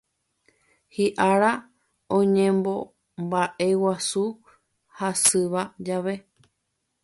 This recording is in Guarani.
Hiʼára oñemombaʼeguasu jasypa jave.